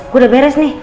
gue udah beres nih